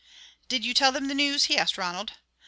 "Did you tell them the news?" he asked Ronald.